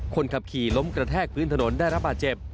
คนขับขี่ล้มกระแทกพื้นถนนได้รับบาดเจ็บ